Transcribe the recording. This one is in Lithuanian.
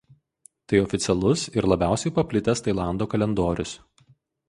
Tai oficialus ir labiausiai paplitęs Tailando kalendorius.